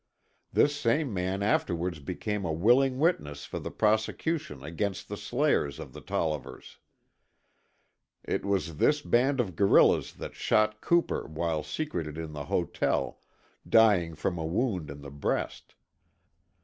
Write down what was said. This same man afterwards became a willing witness for the prosecution against the slayers of the Tollivers. It was this band of guerillas that shot Cooper while secreted in the hotel, dying from a wound in the breast.